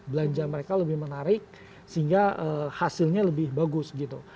belanja mereka lebih menarik sehingga hasilnya lebih bagus gitu